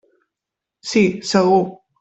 Sí, segur.